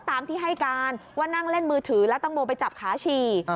ตามที่ให้การว่านั่งเล่นมือถือแล้วตังโมไปจับขาฉี่